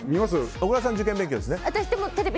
小倉さんは受験勉強ですね。